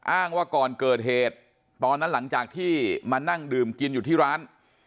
อ้างว่าก่อนเกิดเหตุตอนนั้นหลังจากที่มานั่งดื่มกินอยู่ที่ร้าน